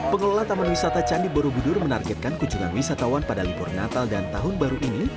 pengelola taman wisata candi borobudur menargetkan kunjungan wisatawan pada libur natal dan tahun baru ini